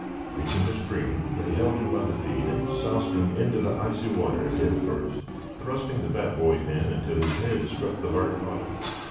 Reaching the spring they held him by the feet and soused him into the icy water head first, thrusting the fat boy in until his head struck the hard bottom.